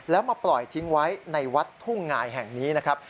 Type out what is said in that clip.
แล้วมาปล่อยทิ้งไว้ในวัดทุ่งงายแห่งนี้นะครับ